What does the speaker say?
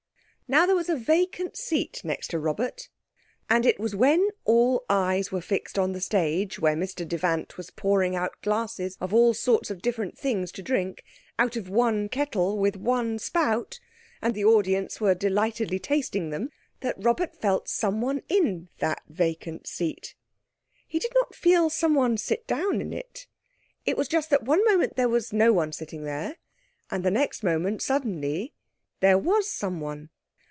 Now there was a vacant seat next to Robert. And it was when all eyes were fixed on the stage where Mr Devant was pouring out glasses of all sorts of different things to drink, out of one kettle with one spout, and the audience were delightedly tasting them, that Robert felt someone in that vacant seat. He did not feel someone sit down in it. It was just that one moment there was no one sitting there, and the next moment, suddenly, there was someone.